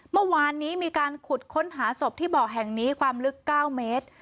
เมื่อวานนี้มีการขุดค้นหาศพที่เบาะแห่งนี้ความลึก๙เมตร